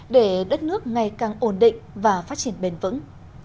để đất nước ngày càng ổn định và phát triển bền vững